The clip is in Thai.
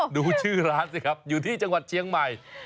ดูชื่อร้านสิครับอยู่ที่จังหวัดเชียงใหม่